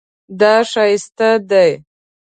دا ښایسته دی